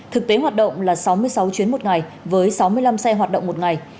thực tế hoạt động là sáu mươi sáu chuyến một ngày với sáu mươi năm xe hoạt động một ngày